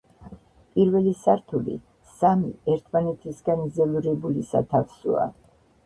პირველი სართული, სამი, ერთმანეთისგან იზოლირებული სათავსოა.